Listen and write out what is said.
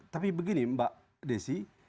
tapi begini mbak desy